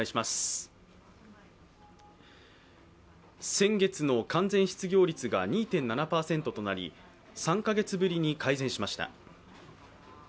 先月の完全失業率が２．７％となり３カ月ぶりに改善しました。